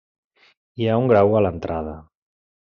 Hi ha un graó a l'entrada.